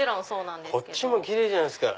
こっちも奇麗じゃないですか。